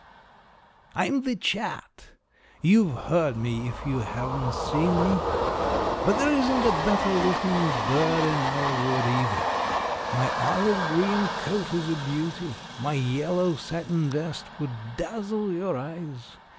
I'm the "Chat." You've heard me if you haven't seen me. But there isn't a better lookin' bird in our wood, either. My olive green coat is a beauty. My yellow satin vest would dazzle your eyes.